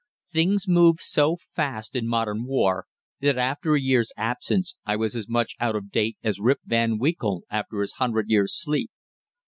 Things move so fast in modern war that after a year's absence I was as much out of date as Rip Van Winkle after his hundred years' sleep.